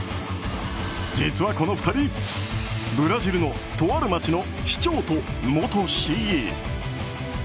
実はこの２人、ブラジルのとある町の市長と元市議。